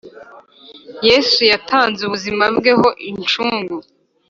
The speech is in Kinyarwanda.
Yesu yatanze ubuzima bwe ho incungu